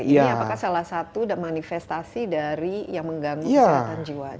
ini apakah salah satu manifestasi dari yang mengganggu kesehatan jiwa